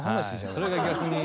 それが逆に。